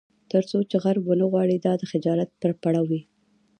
تر څو چې غرب ونه غواړي دا د خجالت پرپړه وي.